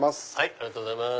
ありがとうございます。